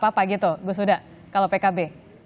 apa gitu gus huda kalau pkb